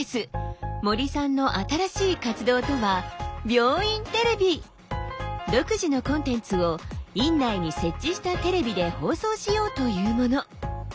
森さんの新しい活動とは独自のコンテンツを院内に設置したテレビで放送しようというもの。